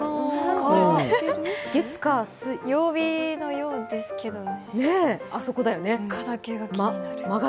曜日のようですけどね。